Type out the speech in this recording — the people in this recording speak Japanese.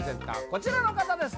こちらの方です